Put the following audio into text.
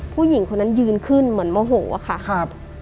ผู้หญิงคนนั้นยืนขึ้นเหมือนโมโหอะค่ะครับ